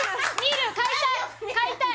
買いたい！